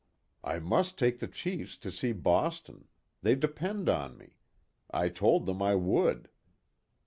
" I must take the chiefs to see Boston. They depend on me. I told them I would.